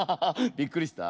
びっくりした？